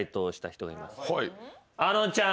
あのちゃん。